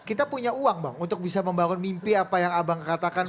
kita punya uang bang untuk bisa membangun mimpi apa yang abang katakan